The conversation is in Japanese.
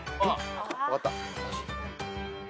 分かった。